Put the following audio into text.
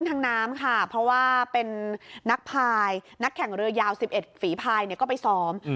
ทางน้ำค่ะเพราะว่าเป็นนักพายนักแข่งเรือยาว๑๑ฝีพายก็ไปซ้อม